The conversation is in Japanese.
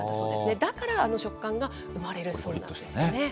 だから、あの食感が生まれるそうなんですよね。